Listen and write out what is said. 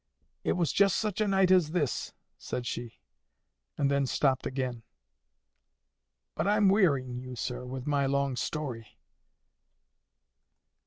'It was just such a night as this,' said she, and then stopped again.—But I'm wearying you, sir, with my long story."